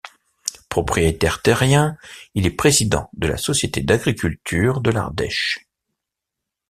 Propriétaire terrien, il est président de la société d'agriculture de l'Ardèche.